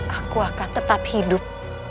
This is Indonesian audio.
aku akan tetap hidup